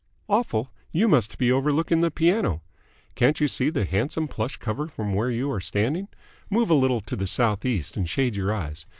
"Awful? You must be overlooking the piano. Can't you see the handsome plush cover from where you are standing? Move a little to the southeast and shade your eyes.